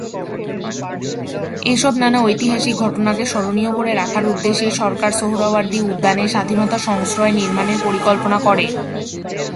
এসব নানা ঐতিহাসিক ঘটনাকে স্মরণীয় করে রাখার উদ্দেশ্যেই সরকার সোহরাওয়ার্দী উদ্যানে স্বাধীনতা সংশ্রয় নির্মাণের পরিকল্পনা করে।